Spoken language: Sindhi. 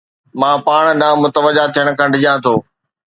مان پاڻ ڏانهن متوجه ٿيڻ کان ڊڄان ٿو